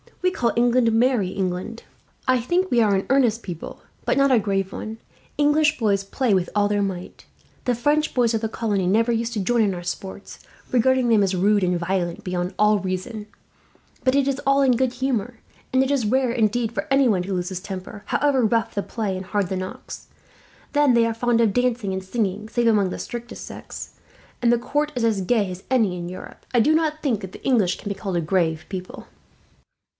We call England 'Merry England.' I think we are an earnest people, but not a grave one. English boys play with all their might. The French boys of the colony never used to join in our sports, regarding them as rude and violent beyond all reason; but it is all in good humour, and it is rare, indeed, for anyone to lose his temper, however rough the play and hard the knocks. Then they are fond of dancing and singing, save among the strictest sects; and the court is as gay as any in Europe. I do not think that the English can be called a grave people."